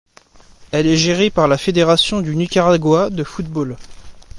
Elle est gérée par la Fédération du Nicaragua de football.